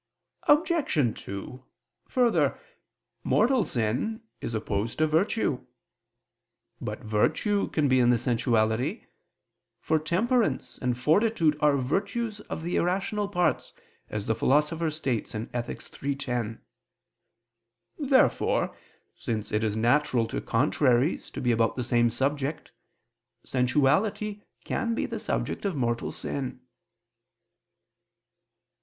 Obj. 2: Further, mortal sin is opposed to virtue. But virtue can be in the sensuality; for temperance and fortitude are virtues of the irrational parts, as the Philosopher states (Ethic. iii, 10). Therefore, since it is natural to contraries to be about the same subject, sensuality can be the subject of mortal sin.